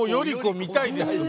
見たいですね。